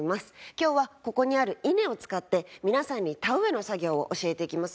今日はここにある稲を使って皆さんに田植えの作業を教えていきます。